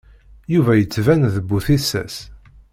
Yuba yettban d bu tissas.